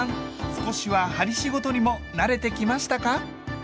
少しは針仕事にも慣れてきましたか？